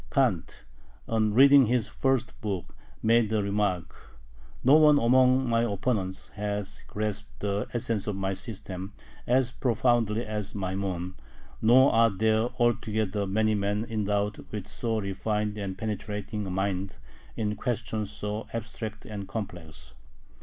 Kant, on reading his first book, made the remark: "No one among my opponents has grasped the essence of my system as profoundly as Maimon, nor are there altogether many men endowed with so refined and penetrating a mind in questions so abstract and complex."